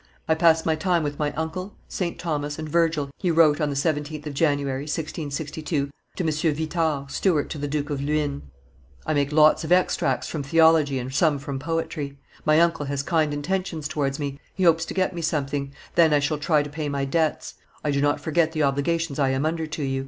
"I pass my time with my uncle, St. Thomas, and Virgil," he wrote on the 17th of January, 1662, to M. Vitard, steward to the Duke of Luynes; "I make lots of extracts from theology and some from poetry. My uncle has kind intentions towards me, he hopes to get me something; then I shall try to pay my debts. I do not forget the obligations I am under to you.